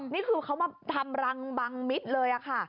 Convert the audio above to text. นี่คือเขามาทำรังบังมิดเลยค่ะ